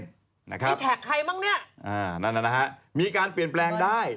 มีแท็กใครบ้างเนี่ยอ่านั่นนะฮะมีการเปลี่ยนแปลงได้